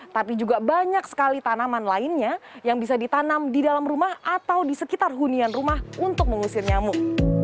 tapi juga banyak sekali tanaman lainnya yang bisa ditanam di dalam rumah atau di sekitar hunian rumah untuk mengusir nyamuk